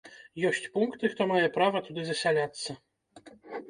Ёсць пункты, хто мае права туды засяляцца.